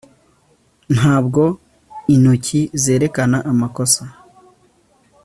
ntabwo intoki zerekana amakosa